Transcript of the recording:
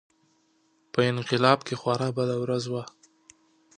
په انقلاب کې خورا بده ورځ وه.